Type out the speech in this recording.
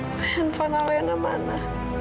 penyembahan alena mana